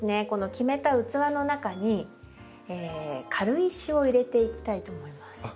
この決めた器の中に軽石を入れていきたいと思います。